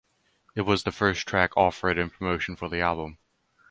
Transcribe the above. It was the first track offered in promotion for the album.